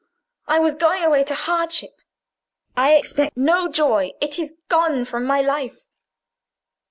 "I was going away to hardship. I expect no joy: it is gone from my life."